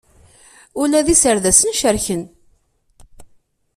Ula d iserdasen cerken.